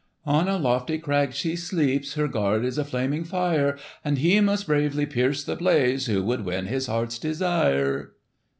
"On a lofty crag she sleeps, Her guard is a flaming fire; And he must bravely pierce the blaze Who would win his heart's desire."